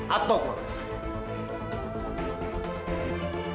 atau keluar dari sini